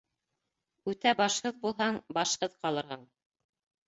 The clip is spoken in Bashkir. Үтә башһыҙ булһаң, башһыҙ ҡалырһың